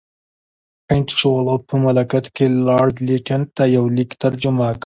کنټ شووالوف په ملاقات کې لارډ لیټن ته یو لیک ترجمه کړ.